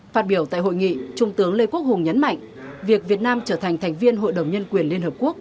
phát biểu tại hội nghị trung tướng lê quốc hùng nhấn mạnh việc việt nam trở thành thành viên hội đồng nhân quyền liên hợp quốc